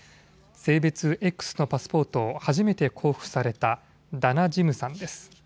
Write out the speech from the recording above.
性別Ｘのパスポートを初めて交付されたダナ・ジムさんです。